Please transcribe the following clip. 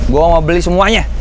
gua mau beli semuanya